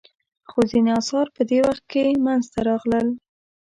خو ځینې اثار په دې وخت کې منځته راغلل.